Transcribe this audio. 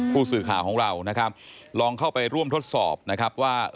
ผู้สื่อข่าวของเรานะครับลองเข้าไปร่วมทดสอบนะครับว่า